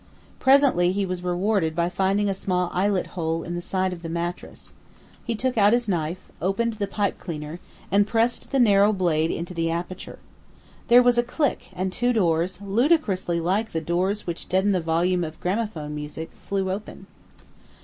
Presently he was rewarded by finding a small eyelet hole in the side of the mattress. He took out his knife, opened the pipe cleaner, and pressed the narrow blade into the aperture. There was a click and two doors, ludicrously like the doors which deaden the volume of gramophone music, flew open.